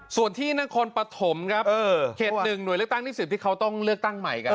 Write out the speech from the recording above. ส่วนที่นครปฐมครับเขต๑หน่วยเลือกตั้งที่๑๐ที่เขาต้องเลือกตั้งใหม่กัน